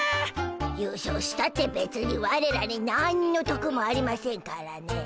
優勝したってべつにワレらになんのとくもありませんからねえ。